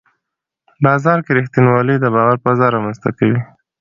بازار کې رښتینولي د باور فضا رامنځته کوي